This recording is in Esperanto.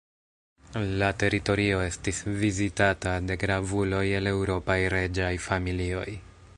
La teritorio estis vizitata de gravuloj el eŭropaj reĝaj familioj.